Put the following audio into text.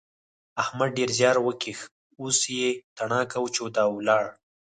احمد ډېر زیار وکيښ اوس يې تڼاکه وچاوده او ولاړ.